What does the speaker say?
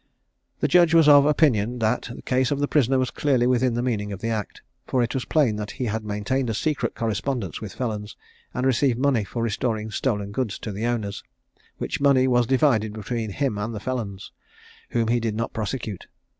The judge was of opinion that the case of the prisoner was clearly within the meaning of the act; for it was plain that he had maintained a secret correspondence with felons, and received money for restoring stolen goods to the owners, which money was divided between him and the felons, whom he did not prosecute.